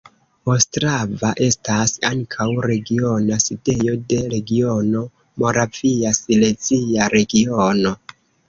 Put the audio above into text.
Ostrava estas ankaŭ regiona sidejo de regiono Moravia-Silezia Regiono.